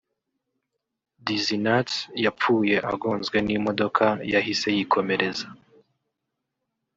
Dizzy Nuts yapfuye agonzwe n’imodoka yahise yikomereza